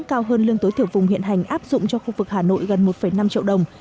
cao hơn lương tối thiểu vùng hiện hành áp dụng cho khu vực hà nội gần một năm triệu đồng